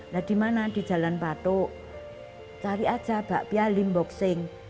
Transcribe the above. nah dimana di jalan patu cari aja bakpia lim boxing